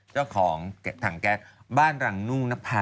เจ้าของถังแก๊สบ้านรังนุ่งนภา